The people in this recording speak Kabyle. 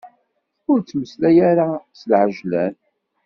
Ur ttmeslay ara s lɛejlan.